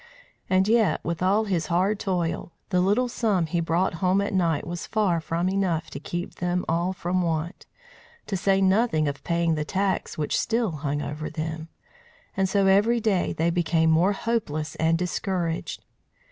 And yet, with all his hard toil, the little sum he brought home at night was far from enough to keep them all from want, to say nothing of paying the tax which still hung over them; and so every day they became more hopeless and discouraged.